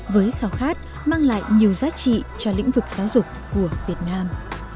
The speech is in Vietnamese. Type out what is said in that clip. với khảo khát mang lại nhiều giá trị cho lĩnh vực giáo dục của việt nam